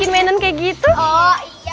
ada tasa supervisors